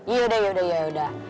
yaudah yaudah yaudah